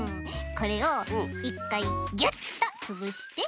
これをいっかいギュッとつぶして。